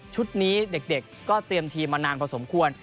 นี้เด็กก็เตรียมทีมมานานพอสมควร